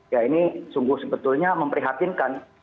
ya ini sungguh sebetulnya memprihatinkan